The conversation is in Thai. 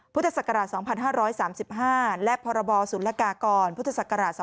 พศ๒๕๓๕และพศศ๒๔๖๙